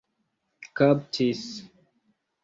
kaptis